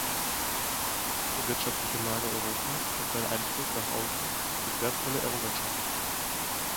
Die gute wirtschaftliche Lage Europas und sein Einfluss nach außen sind wertvolle Errungenschaften.